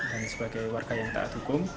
dan sebagai warga yang tak tukung